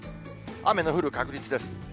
雨の降る確率です。